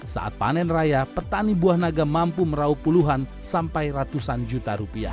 saat panen raya petani buah naga mampu merauh puluhan sampai ratusan juta rupiah